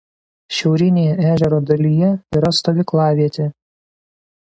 Šiaurinėje ežero dalyje yra stovyklavietė.